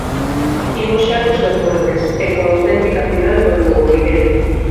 Imos xa cos deportes, e coa auténtica final do Lugo, Miguel.